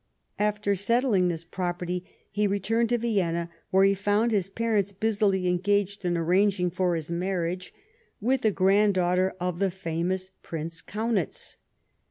After settling this property he returned to Vienna, where he found his parents busily engaged in arranging for his marriage with a grand daughter of the famous Prince Kaunitz.